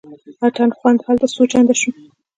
اتڼ خوند هلته څو چنده شو.